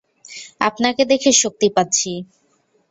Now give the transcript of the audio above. আপনাকে দেখে শক্তি পাচ্ছি!